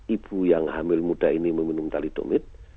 ibu yang hamil muda ini meminum talidomid